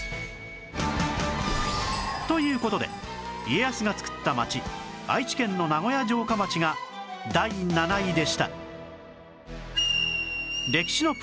という事で家康が作った町愛知県の名古屋城下町が第７位でした